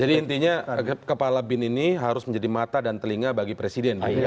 jadi intinya kepala bin ini harus menjadi mata dan telinga bagi presiden